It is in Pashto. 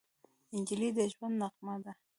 نجلۍ د ژوند نغمه ده.